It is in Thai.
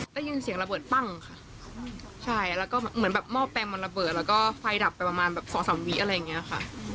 ได้ยินเสียงระเบิดปั้งค่ะใช่แล้วก็เหมือนแบบหม้อแปลงมันระเบิดแล้วก็ไฟดับไปประมาณแบบสองสามวิอะไรอย่างนี้ค่ะ